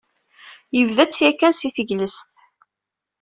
Yebda-tt yakan si teglest.